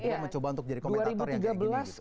kita mencoba untuk jadi komentator yang kayak gini